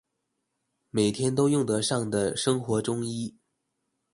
每天都用得上的生活中醫